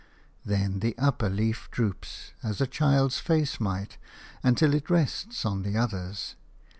Then the upper leaf droops, as a child's face might, until it rests on the others.